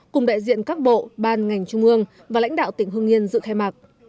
cùng đại diện các bộ ban ngành trung mương và lãnh đạo tỉnh hương nhiên dự khai mạc